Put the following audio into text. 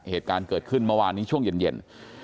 เหตุการณ์เกิดขึ้นเมื่อวานนี้ช่วงเย็น